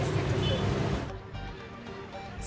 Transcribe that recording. ya itu sudah tradisi